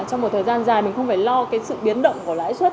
trong một thời gian dài mình không phải lo cái sự biến động của lãi suất